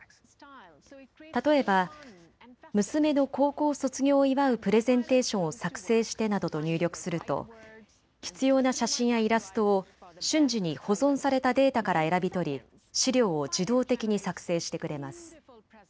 例えば、娘の高校卒業を祝うプレゼンテーションを作成してなどと入力すると必要な写真やイラストを瞬時に保存されたデータから選び取り資料を自動的に作成してくれます。